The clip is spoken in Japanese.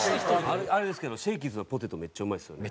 あれですけどシェーキーズのポテトめっちゃうまいですよね。